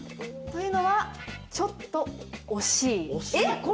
というのは、ちょっと惜しい。